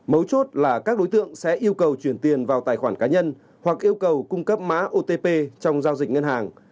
mấu chốt là các đối tượng sẽ yêu cầu chuyển tiền vào tài khoản cá nhân hoặc yêu cầu cung cấp mã otp trong giao dịch ngân hàng